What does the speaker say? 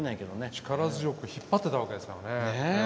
力強く引っ張ってたわけですからね。